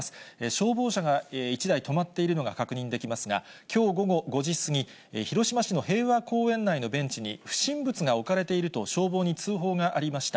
消防車が１台止まっているのが確認できますが、きょう午後５時過ぎ、広島市の平和公園内のベンチに、不審物が置かれていると消防に通報がありました。